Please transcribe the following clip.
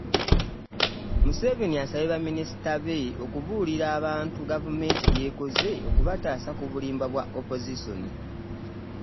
Museveni asabye ba minisita be okubuulira abantu gavumenti by'ekoze okubataasa ku bulimba bwa opoziisoni